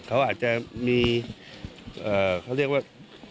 เขาอาจจะมีเขาเรียกว่า